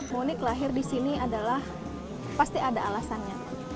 monik lahir di sini adalah pasti ada alasannya